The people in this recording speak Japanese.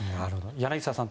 柳澤さん